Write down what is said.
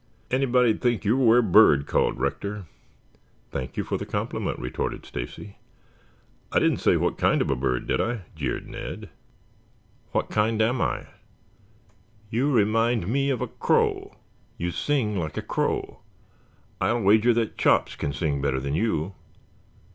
"Anybody'd think you were a bird," called Rector. "Thank you for the compliment," retorted Stacy. "I didn't say what kind of a bird, did I?" jeered Ned. "What kind am I?" "You remind me of a crow. You sing like a crow. I'll wager that Chops can sing better than you."